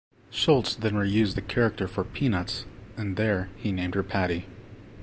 Schulz then reused the character for "Peanuts," and there, he named her Patty.